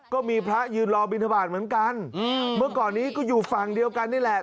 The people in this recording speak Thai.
ก็มีพระยืนรอบิทบาทเหมือนกันเมื่อก่อนนี้ก็อยู่ฝั่งเดียวกันนี่แหละ